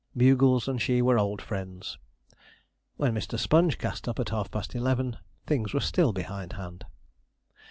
Bugles and she were old friends. When Mr. Sponge cast up at half past eleven, things were still behind hand.